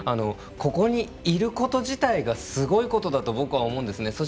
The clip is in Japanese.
ここにいること自体がすごいことだと僕は思うんですね。